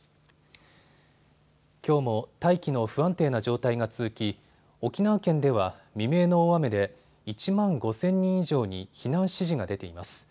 きょうも大気の不安定な状態が続き、沖縄県では未明の大雨で１万５０００人以上に避難指示が出ています。